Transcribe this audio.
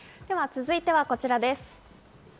続いてはこちらです。